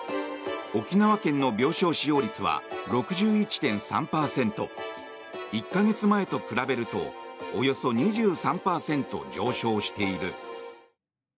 沖縄県の病床使用率は６１．３％１か月前と比べるとおよそ２３％上昇している。